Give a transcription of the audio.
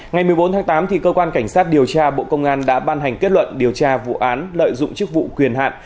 ngày một mươi bốn tháng tám cơ quan cảnh sát điều tra bộ công an đã ban hành kết luận điều tra vụ án lợi dụng chức vụ quyền hạn